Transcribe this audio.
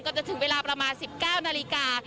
จะถึงเวลาประมาณ๑๙นาฬิกา